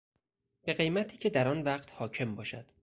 به قیمتی که در آن وقت حاکم باشد